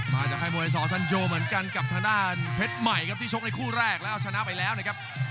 มาจากค่ายมวยสอสัญโยเหมือนกันกับทางด้านเพชรใหม่ครับที่ชกในคู่แรกแล้วเอาชนะไปแล้วนะครับ